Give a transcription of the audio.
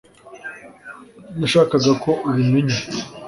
nashakaga ko ubimenya